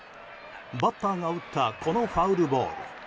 バッターが打ったこのファウルボール。